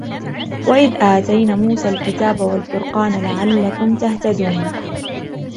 وَإِذْ آتَيْنَا مُوسَى الْكِتَابَ وَالْفُرْقَانَ لَعَلَّكُمْ تَهْتَدُونَ